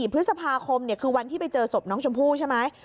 พฤษภาคมคือวันที่ไปเจอศพน้องชมพู่ใช่ไหม